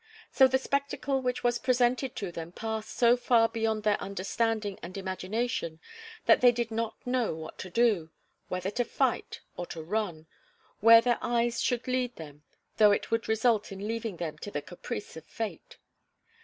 So the spectacle which was presented to them passed so far beyond their understanding and imagination that they did not know what to do: whether to fight or to run where their eyes should lead them, though it would result in leaving them to the caprice of fate.